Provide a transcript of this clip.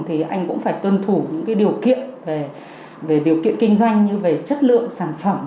thì anh cũng phải tuân thủ những điều kiện về điều kiện kinh doanh như về chất lượng sản phẩm